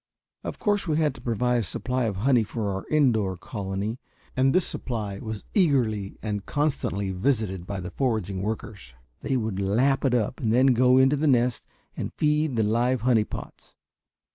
Of course we had to provide a supply of honey for our indoor colony, and this supply was eagerly and constantly visited by the foraging workers. They would lap it up and then go into the nest and feed the live honey pots!